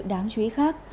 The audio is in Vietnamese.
đáng chú ý khác